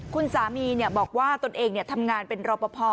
คุณสามีบอกว่าตนเองทำงานเป็นรอปภ